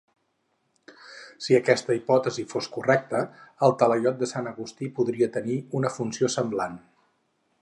Si aquesta hipòtesi fos correcta, el talaiot de Sant Agustí podria tenir una funció semblant.